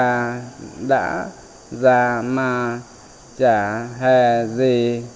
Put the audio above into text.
bé nga đã ra mà chả hề gì